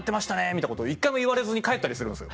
みたいなこと１回も言われずに帰ったりするんです。